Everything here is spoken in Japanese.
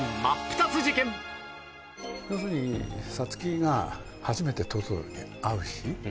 要するに、サツキが初めてトトロに会う日。